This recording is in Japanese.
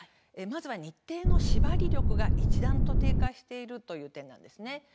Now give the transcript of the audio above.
まずは日程の「しばり力」が一段と低下しているという点なんですね。